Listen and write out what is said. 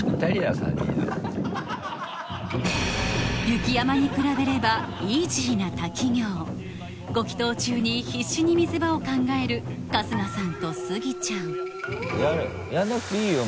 雪山に比べればイージーな滝行ご祈祷中に必死に見せ場を考える春日さんとスギちゃんやらなくていいよ！